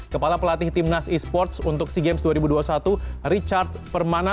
kepala pelatih timnas e sports untuk sea games dua ribu dua puluh satu richard permana